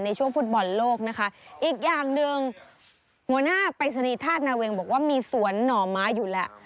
ในช่วงฟุตบอลโลกนะคะอีกอย่างหนึ่งหัวหน้าปริศนีย์ธาตุนาเวงบอกว่ามีสวนหน่อไม้อยู่แล้ว